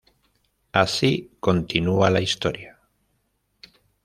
Así continua la historia...